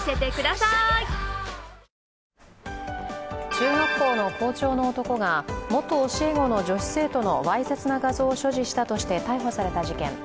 中学校の校長の男が元教え子の女子生徒のわいせつな画像を所持したとして逮捕された事件。